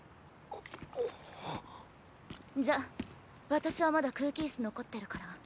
じゃ私はまだ空気イス残ってるから。